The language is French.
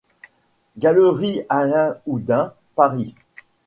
Galerie Alain Oudin Paris.